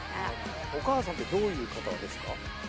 お母さんってどういう方ですか？